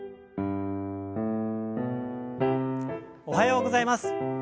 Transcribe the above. おはようございます。